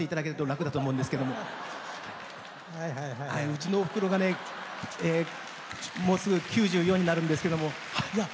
うちのおふくろがもうすぐ９４になるんですけど。